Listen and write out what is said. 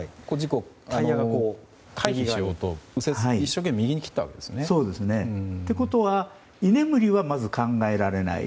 タイヤが回避しようと右に切ったわけですね。ということは居眠りは考えられない。